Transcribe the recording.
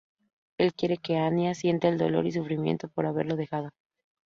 Él quiere que Anya sienta el dolor y sufrimiento por haberlo dejado.